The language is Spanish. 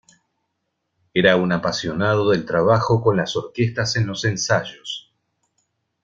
Era un apasionado del trabajo con las orquestas en los ensayos.